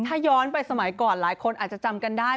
ถ้าย้อนไปสมัยก่อนหลายคนอาจจะจำกันได้